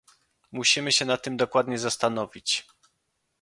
Musimy się nad tym dokładnie zastanowić